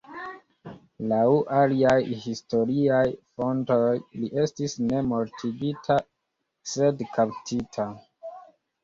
Laŭ aliaj historiaj fontoj li estis ne mortigita, sed kaptita.